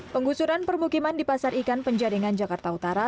penggusuran permukiman di pasar ikan penjaringan jakarta utara